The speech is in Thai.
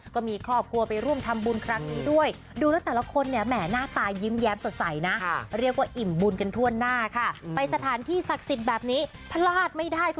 ก็มีครอบครัวไปร่วมทำบุญครั้งนี้ด้วย